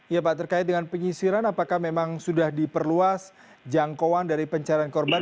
ya pak terkait dengan penyisiran apakah memang sudah diperluas jangkauan dari pencarian korban